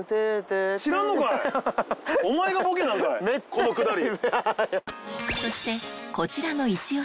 このくだり。